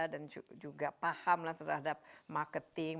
dan juga pahamlah terhadap marketing